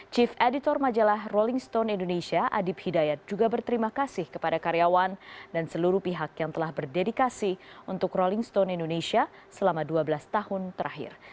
chief editor majalah rolling stone indonesia adib hidayat juga berterima kasih kepada karyawan dan seluruh pihak yang telah berdedikasi untuk rolling stone indonesia selama dua belas tahun terakhir